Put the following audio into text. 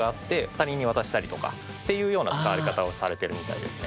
他人に渡したりとかっていうような使われ方をされてるみたいですね。